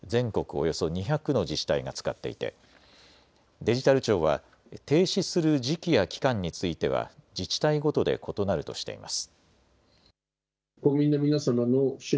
およそ２００の自治体が使っていてデジタル庁は停止する時期や期間については自治体ごとで異なるとしています。